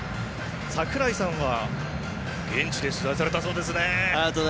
櫻井さんは現地で取材されたんですよね。